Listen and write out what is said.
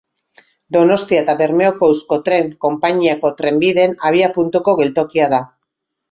Donostia eta Bermeoko Euskotren konpainiako trenbideen abiapuntuko geltokia da.